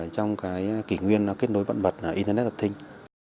trong cái kỷ nguyên kết nối vận vật internet hợp tinh